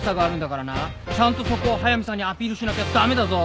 ちゃんとそこを速見さんにアピールしなきゃ駄目だぞ！